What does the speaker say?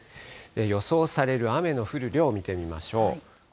予想される雨の降る量を見てみましょう。